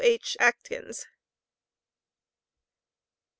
H. ACTKINS. ST.